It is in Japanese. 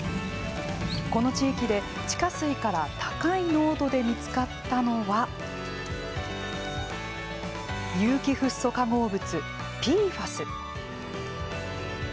この地域で、地下水から高い濃度で見つかったのは有機フッ素化合物＝ＰＦＡＳ。